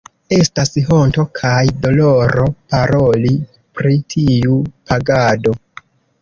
Estas honto kaj doloro paroli pri tiu pagado.